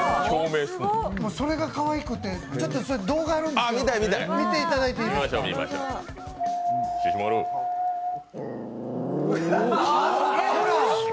それがかわいくて、ちょっと動画あるんですよ、見ていただいていいですか。